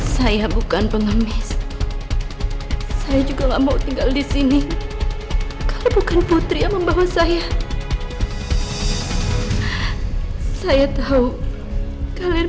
saya bukan pengemis saya juga enggak mau tinggal di sini kau bukan putri yang membawa saya saya tahu kalian